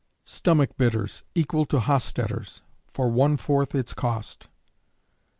_Stomach Bitters, equal to Hostetter's, for one fourth its cost.